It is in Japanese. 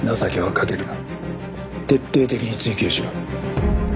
徹底的に追及しろ。